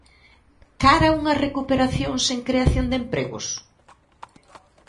Cara a unha recuperación sen creación de empregos?